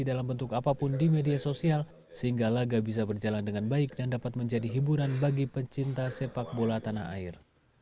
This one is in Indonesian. dalam bentuk apapun di media sosial sehingga laga bisa berjalan dengan baik dan dapat menjadi hiburan bagi pecinta sepak bola tanah air